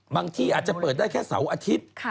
ที่อาจจะเปิดได้แค่เสาร์อาทิตย์